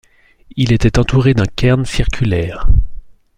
Il était entouré d'un cairn circulaire.